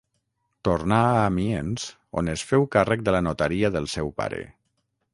Tornà a Amiens on es féu càrrec de la notaria del seu pare.